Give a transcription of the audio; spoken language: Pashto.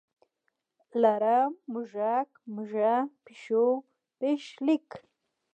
لړم، موږک، مږه، پیشو، پیښلیک.